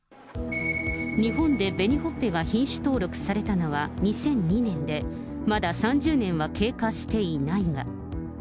日本で紅ほっぺが品種登録されたのは２００２年で、まだ３０年は経過していないが。